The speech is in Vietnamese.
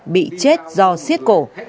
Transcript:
bị chết do siết cổ